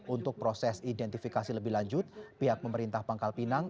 untuk proses identifikasi lebih lanjut pihak pemerintah pangkal pinang